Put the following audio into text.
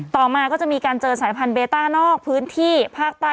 ต่อมาก็จะมีการเจอสายพันธุเบต้านอกพื้นที่ภาคใต้